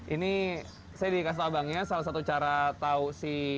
ini saya dikasih abangnya salah satu cara tahu si